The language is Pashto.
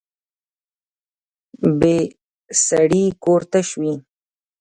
بې سړي کور تش وي